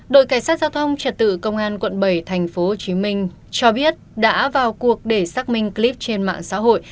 đội cảnh sát giao thông trật tự công an quận bảy tp hcm cho biết đã vào cuộc để xác minh clip trên mạng xã hội